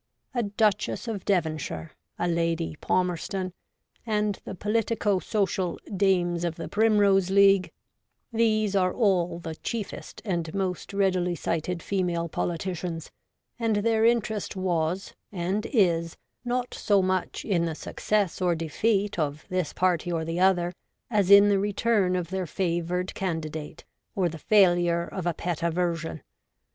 A Duchess of Devonshire, a Lady Palmerston, and the politico social Dames of the Primrose League, these are all the chiefest and most readily cited female politicians : and their interest was, and is, not so much in the success or defeat of this party or the other as in the return of their favoured candidate or the failure of a pet aversion.